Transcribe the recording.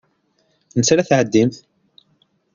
Ansa ara tɛeddimt?